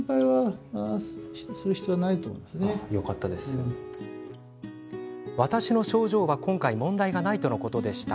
今回、私の症状は問題がないとのことでした。